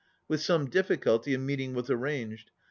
With some difficulty a meeting was arranged.